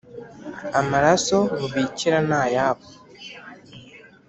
amaraso bubikira ni ayabo,